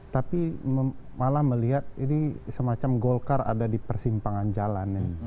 tapi malah melihat ini semacam golkar ada di persimpangan jalan